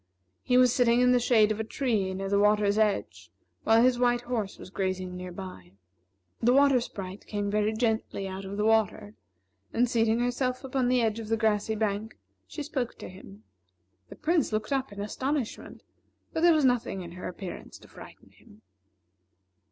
He was sitting in the shade of a tree near the water's edge, while his white horse was grazing near by. The Water Sprite came very gently out of the river, and seating herself upon the edge of the grassy bank, she spoke to him. The Prince looked up in astonishment, but there was nothing in her appearance to frighten him.